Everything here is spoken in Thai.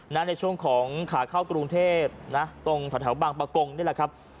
ในช่วงของขาเข้ากรุงเทพนะตรงแถวบางประกงนี่แหละครับ